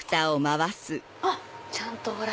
あっちゃんとほら！